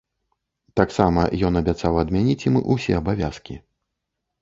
Таксама ён абяцаў адмяніць ім усе абавязкі.